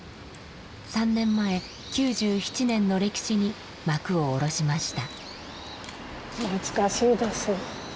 ３年前９７年の歴史に幕をおろしました。